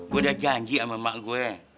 gua udah janji sama emak gue